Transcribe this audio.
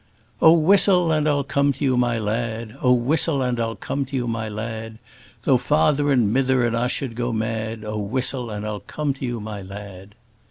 O whistle and I'll come to you, my lad! O whistle and I'll come to you, my lad! Tho' father and mither and a' should go mad, O whistle and I'll come to you, my lad!